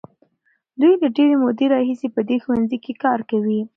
دوی له ډېرې مودې راهیسې په دې ښوونځي کې کار کوي.